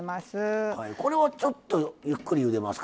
ちょっとゆっくりゆでますか？